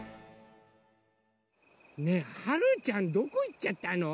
はるちゃんどこいっちゃったの？